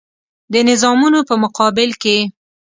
د نظامونو په مقابل کې.